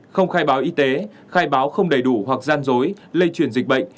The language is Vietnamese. một mươi không khai báo y tế khai báo không đầy đủ hoặc gian dối lây chuyển dịch bệnh